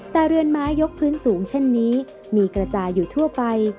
แต่เรือนไม้ยกพื้นสูงเช่นนี้มีกระจายอยู่ทั่วไป